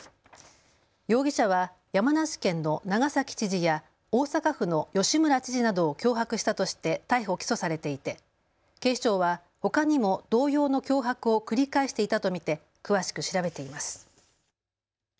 容疑者は山梨県の長崎知事や大阪府の吉村知事などを脅迫したとして逮捕・起訴されていて警視庁はほかにも同様の脅迫を繰り返していたと見て詳しく調べています。